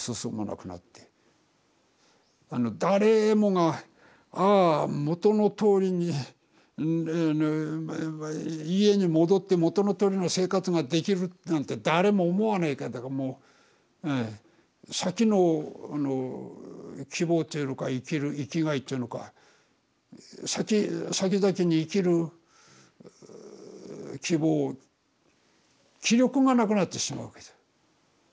誰もがああ元のとおりに家に戻って元のとおりの生活ができるなんて誰も思わねえからだからもう先のあの希望っていうのか生きる生きがいっていうのかさきざきに生きる希望気力がなくなってしまうわけだ。